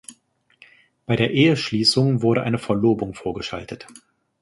Bei der Eheschließung wurde eine Verlobung vorgeschaltet.